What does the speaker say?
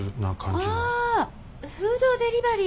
フードデリバリー。